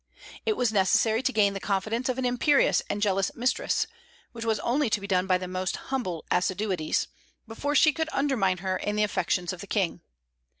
It was necessary to gain the confidence of an imperious and jealous mistress which was only to be done by the most humble assiduities before she could undermine her in the affections of the King.